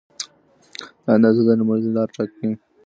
دا اندازه د درملنې لار ټاکي.